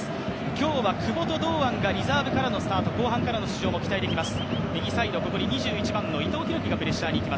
今日は久保と堂安がリザーブからの出場、後半からの出場も期待できます。